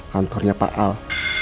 kantornya pak al